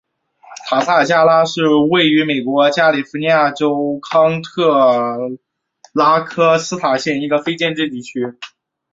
塔萨加拉是位于美国加利福尼亚州康特拉科斯塔县的一个非建制地区。